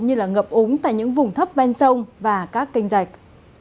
như là ngập úng tại những vùng thấp ven sông và các kênh dạch